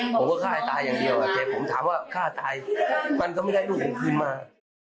ผมก็ฆ่าให้ตายอย่างเดียวแต่ผมถามว่าฆ่าตายมันก็ไม่ได้ลูกผมคืนมา